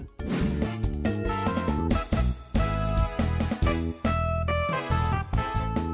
โปรดติดตามตอนต่อไป